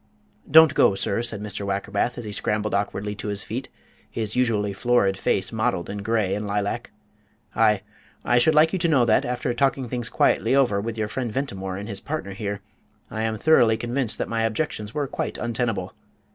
"Don't go, sir," said Mr. Wackerbath, as he scrambled awkwardly to his feet, his usually florid face mottled in grey and lilac. "I I should like you to know that, after talking things quietly over with your friend Mr. Ventimore and his partner here, I am thoroughly convinced that my objections were quite untenable.